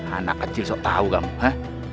anak kecil sok tahu kamu ya